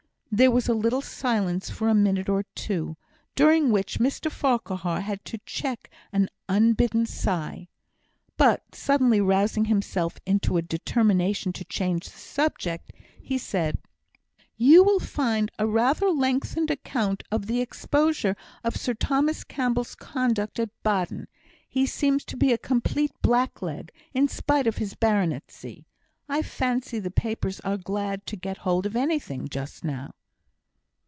There was a little silence for a minute or two, during which Mr Farquhar had to check an unbidden sigh. But, suddenly rousing himself into a determination to change the subject, he said: "You will find rather a lengthened account of the exposure of Sir Thomas Campbell's conduct at Baden. He seems to be a complete blackleg, in spite of his baronetcy. I fancy the papers are glad to get hold of anything just now."